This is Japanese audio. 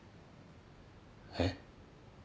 えっ？